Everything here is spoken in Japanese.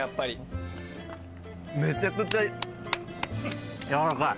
めちゃくちゃ軟らかい。